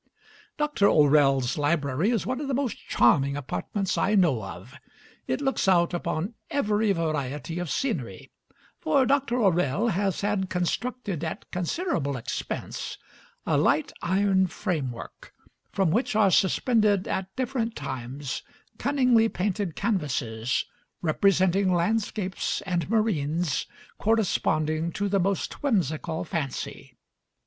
Dr. O'Rell's library is one of the most charming apartments I know of. It looks out upon every variety of scenery, for Dr. O'Rell has had constructed at considerable expense a light iron framework from which are suspended at different times cunningly painted canvases representing landscapes and marines corresponding to the most whimsical fancy.